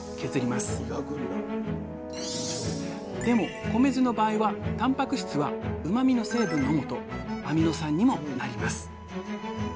でも米酢の場合はたんぱく質はうまみの成分のもとアミノ酸にもなります。